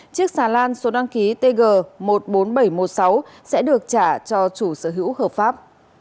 chiếc xà lan số đăng ký tg một mươi bốn nghìn bảy trăm một mươi sáu sẽ được trả cho chủ sở hữu hợp pháp